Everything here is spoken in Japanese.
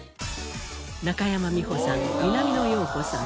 中山美穂さん南野陽子さん